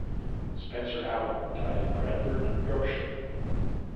Spencer Allen died in Bradford, Yorkshire.